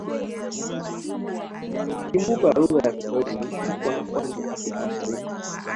Chimbuko la lugha ya Kiswahili ni upwa wa pwani ya Afrika Mashariki